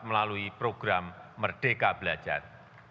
melalui program merdeka belajar